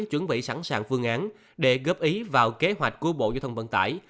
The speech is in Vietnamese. chuẩn bị sẵn sàng phương án để góp ý vào kế hoạch của bộ giao thông vận tải